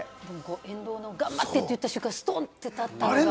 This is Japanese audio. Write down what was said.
沿道の頑張って！って言った瞬間、ストンって立ったのが。